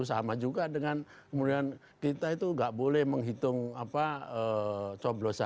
sama juga dengan kemudian kita itu nggak boleh menghitung coblosan